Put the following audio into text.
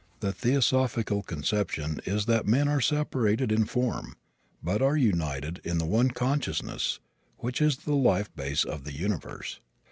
The theosophical conception is that men are separated in form but are united in the one consciousness which is the life base of the universe.